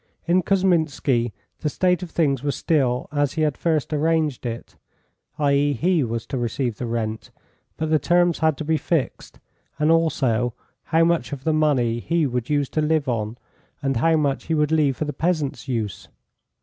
In Kousminski the state of things was still as he had first arranged it, i.e., he was to receive the rent; but the terms had to be fixed, and also how much of the money he would use to live on, and how much he would leave for the peasants' use.